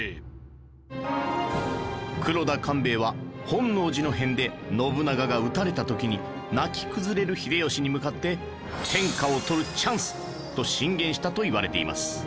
黒田官兵衛は本能寺の変で信長が討たれた時に泣き崩れる秀吉に向かって天下を取るチャンスと進言したといわれています